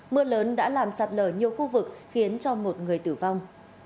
mưa lớn đã làm sạt lở nhiều khu vực khiến cho một người tử vong